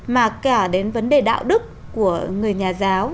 mà cả đến vấn đề đạo đức của người nhà giáo